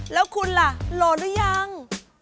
แล้วคุณล่ะโหลดหรือยัง